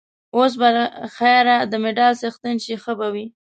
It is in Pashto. اوس به له خیره د مډال څښتن شې، ښه به وي.